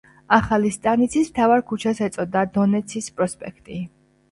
ახალი სტანიცის მთავარ ქუჩას ეწოდა დონეცის პროსპექტი.